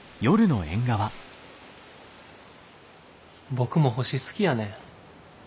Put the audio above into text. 僕も星好きやねん。